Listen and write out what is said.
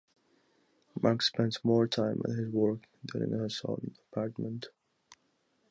Mark spends more time at his work than in his own apartment.